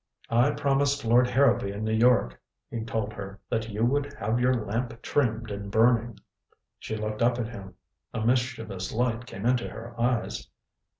"I promised Lord Harrowby in New York," he told her, "that you would have your lamp trimmed and burning." She looked up at him. A mischievous light came into her eyes.